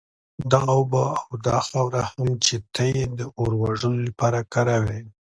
دغه اوبه او دا خاوره هم چي ته ئې د اور وژلو لپاره كاروې